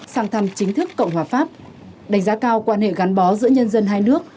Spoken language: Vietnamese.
sang thăm chính thức cộng hòa pháp đánh giá cao quan hệ gắn bó giữa nhân dân hai nước